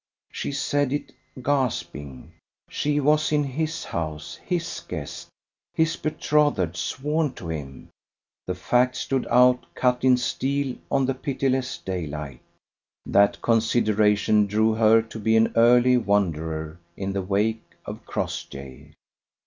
She said it gasping. She was in his house, his guest, his betrothed, sworn to him. The fact stood out cut in steel on the pitiless daylight. That consideration drove her to be an early wanderer in the wake of Crossjay.